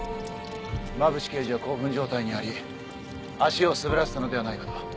馬淵刑事は興奮状態にあり足を滑らせたのではないかと。